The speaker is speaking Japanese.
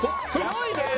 すごいね！